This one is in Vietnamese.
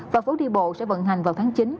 và phố đi bộ sẽ vận hành vào tháng chín